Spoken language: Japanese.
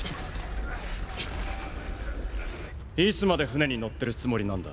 いつまで船に乗ってるつもりなんだ。